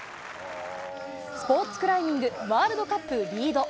スポーツクライミング、ワールドカップ、リード。